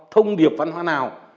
thông điệp văn hóa nào